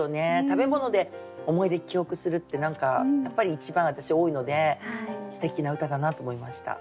食べ物で思い出記憶するってやっぱり一番私多いのですてきな歌だなと思いました。